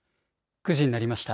９時になりました。